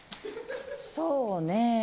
そうね。